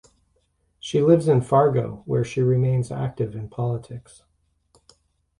She lives in Fargo, where she remains active in politics.